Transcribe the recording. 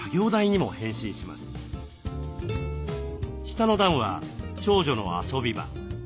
下の段は長女の遊び場。